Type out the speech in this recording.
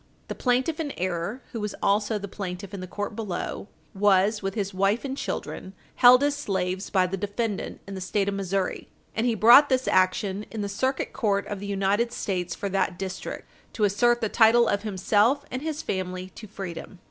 The plaintiff in error, who was also the plaintiff in the court below, was, with his wife and children, held as slaves by the defendant in the State of Missouri, and he brought this action in the Circuit Court of the United States for that district to assert the title of himself and his family to freedom.